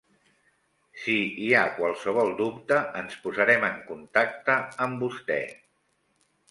Si hi ha qualsevol dubte ens posarem en contacte amb vostè.